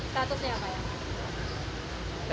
statusnya apa ya